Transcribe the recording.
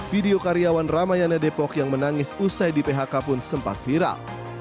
video karyawan ramayana depok yang menangis usai di phk pun sempat viral